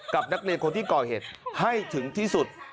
กับนักเรียนคนที่ก่อเหตุให้ถึงที่สุด